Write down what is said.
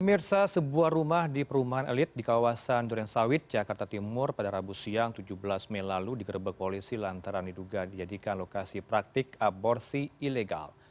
pemirsa sebuah rumah di perumahan elit di kawasan durensawit jakarta timur pada rabu siang tujuh belas mei lalu digerebek polisi lantaran diduga dijadikan lokasi praktik aborsi ilegal